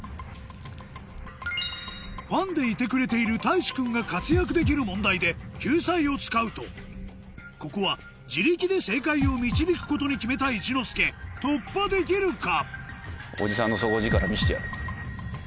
ファンでいてくれているたいし君が活躍できる問題で救済を使うとここは自力で正解を導くことに決めた一之輔突破できるか？